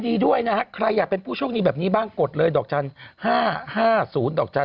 ได้สนุกอ่ะเล่นเกมแบบนี้ชอบอ่ะ